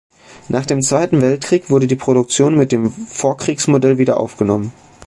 Nach dem Zweiten Weltkrieg wurde die Produktion mit dem Vorkriegsmodell wieder aufgenommen.